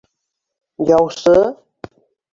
Яусы?